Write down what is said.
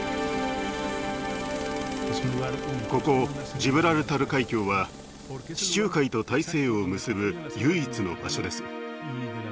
ここジブラルタル海峡は地中海と大西洋を結ぶ唯一の場所です。